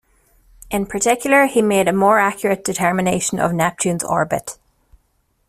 In particular, he made a more accurate determination of Neptune's orbit.